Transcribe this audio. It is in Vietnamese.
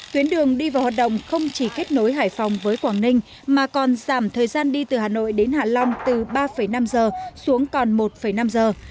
tuyến đường đi vào hoạt động không chỉ kết nối hải phòng với quảng ninh mà còn giảm thời gian đi từ hà nội đến hạ long từ ba năm giờ xuống còn một năm giờ